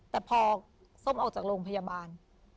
แต่พอส้มออกจากโรงพยาบาล